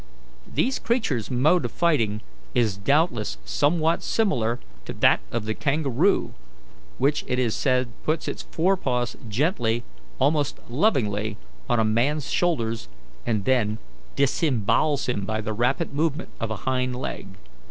These creatures' mode of fighting is doubtless somewhat similar to that of the kangaroo, which it is said puts its forepaws gently, almost lovingly, on a man's shoulders, and then disembowels him by the rapid movement of a hind leg.